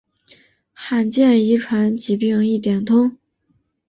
罕见遗传疾病一点通